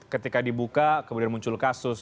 ketika dibuka kemudian muncul kasus